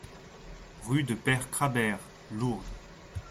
Rue de Peyre Crabère, Lourdes